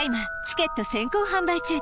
チケット先行販売中です